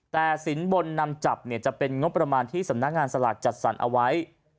แต่สินบนนำจับจะเป็นงบประมาณที่สำนักงานสลากจัดสรรเอาไว้